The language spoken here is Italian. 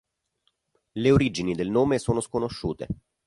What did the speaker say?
Le origini del nome sono sconosciute.